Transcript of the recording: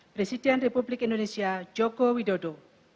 presiden republik indonesia joko widodo